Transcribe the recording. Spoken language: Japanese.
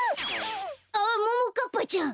あっももかっぱちゃん！